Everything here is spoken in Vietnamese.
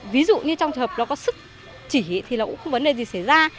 ví dụ như trong trường hợp nó có sức chỉ thì nó cũng không vấn đề gì xảy ra